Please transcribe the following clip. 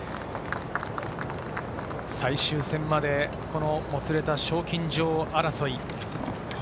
最終戦までもつれた賞金女王争い。